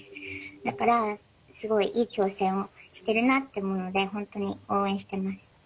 だからすごいいい挑戦をしているなって思うので本当に応援してます。